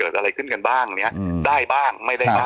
ได้บ้างไม่ได้บ้าง